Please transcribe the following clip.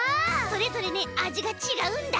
それぞれねあじがちがうんだ！